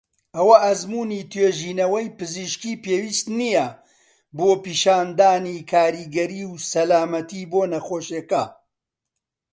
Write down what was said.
ئەوە ئەزموونی توێژینەوەی پزیشکی پێویستی نیە بۆ پیشاندانی کاریگەری و سەلامەتی بۆ نەخۆشیەکە.